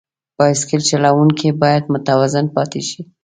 بایسکل چلوونکی باید متوازن پاتې شي.